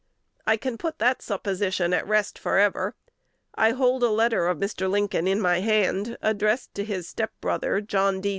I can put that supposition at rest forever. I hold a letter of Mr. Lincoln in my hand, addressed to his step brother, John D.